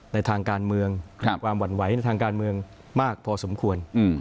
ในทางการเมืองความหวั่นไหวในทางการเมืองมากพอสมควร